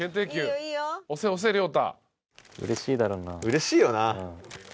うれしいよな。